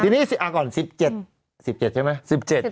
แต่เขาอาจจะตามแองจี้ได้ก็ได้นะ